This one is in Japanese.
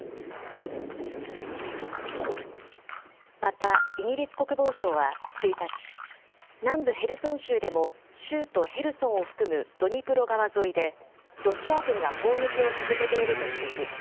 また、イギリス国防省は１日、南部ヘルソン州でも州都ヘルソンを含むドニプロ川沿いで、ロシア軍が砲撃を続けていると指摘。